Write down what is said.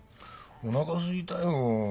おなかすいたよ。